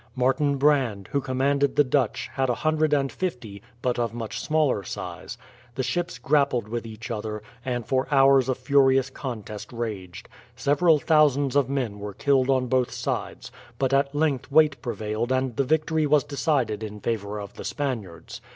Martin Brand, who commanded the Dutch, had a hundred and fifty, but of much smaller size. The ships grappled with each other, and for hours a furious contest raged. Several thousands of men were killed on both sides, but at length weight prevailed and the victory was decided in favour of the Spaniards.